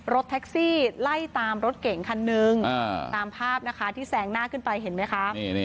รถแท็กซี่ไล่ตามรถเก่งคันนึงตามภาพนะคะที่แซงหน้าขึ้นไปเห็นไหมคะ